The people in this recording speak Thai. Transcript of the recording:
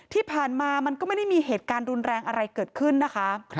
ที่ผ่านมามันก็ไม่ได้มีเหตุการณ์รุนแรงอะไรเกิดขึ้นนะคะ